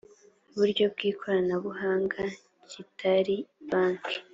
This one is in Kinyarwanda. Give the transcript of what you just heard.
buryo bw ikoranabuhanga kitari banki